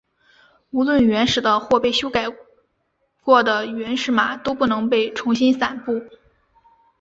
无论原始的或修改过的原始码都不能被重新散布。